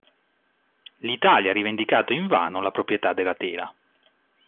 L'Italia ha rivendicato invano la proprietà della tela.